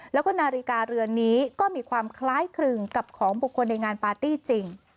แล้วก็นาฬิกาเรือนนี้ก็มีความคล้ายคลึงกับของบุคคลในงานปาร์ตี้จริง